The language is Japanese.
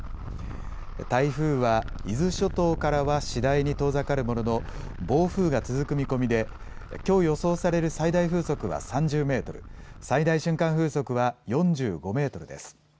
台風は伊豆諸島からは次第に遠ざかるものの、暴風が続く見込みで、きょう予想される最大風速は３０メートル、最大瞬間風速は４５メートルです。